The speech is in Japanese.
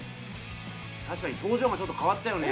確かに表情がちょっと変わったよね。